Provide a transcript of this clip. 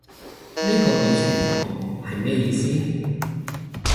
呢個表情符號係咩意思？